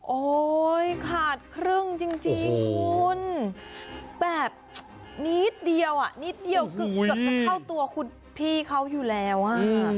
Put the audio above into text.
ขาดครึ่งจริงคุณแบบนิดเดียวอ่ะนิดเดียวเกือบจะเข้าตัวคุณพี่เขาอยู่แล้วอ่ะ